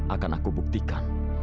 akan aku buktikan